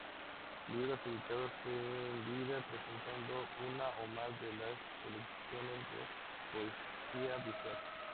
Libros editados en vida presentando una o más de las colecciones de poesía visual.